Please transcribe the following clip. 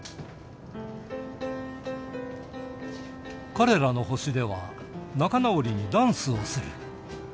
彼らの星では仲直りにダンスをする。